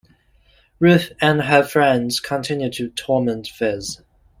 Ruth and her friends continue to torment Fiz.